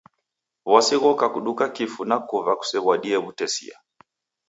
W'asi ghoka kuduka kifu na kuva kusew'adie w'utesia.